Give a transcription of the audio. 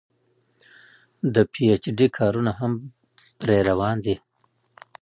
د پي ايچ ډي کارونه هم پرې روان دي